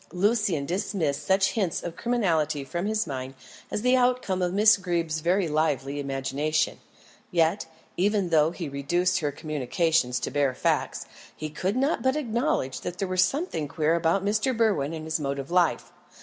Lucian dismissed such hints of criminality from his mind as the outcome of Miss Greeb's very lively imagination; yet, even though he reduced her communications to bare facts, he could not but acknowledge that there was something queer about Mr. Berwin and his mode of life.